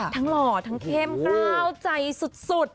หล่อทั้งเข้มกล้าวใจสุด